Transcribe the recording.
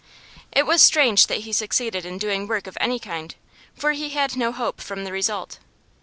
It was strange that he succeeded in doing work of any kind, for he had no hope from the result.